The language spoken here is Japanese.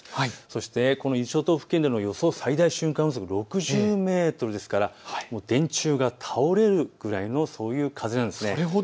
そして伊豆諸島付近での最大瞬間風速６０メートルですから電柱が倒れるくらいのそういう風なんです。